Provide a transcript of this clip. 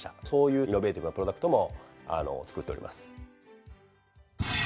そういうイノベーティブなプロダクトも作っております。